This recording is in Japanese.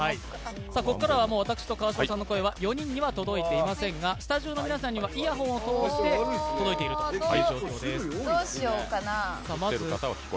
ここからは私と川島さんの声は４人には届いていませんが、スタジオの皆さんにはイヤホンを通して届いているという状況です。